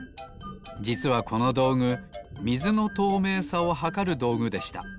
じつはこのどうぐみずのとうめいさをはかるどうぐでした。